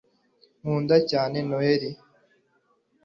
nkunda cyane noheri